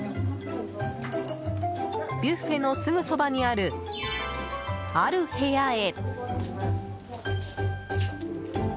ビュッフェのすぐそばにあるある部屋へ。